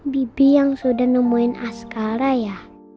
bibik yang sudah nemuin askara